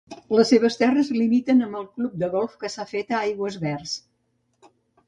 Les seves terres limiten amb el club de golf que s'ha fet a Aigüesverds.